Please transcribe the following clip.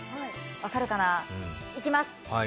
分かるかな、いきます。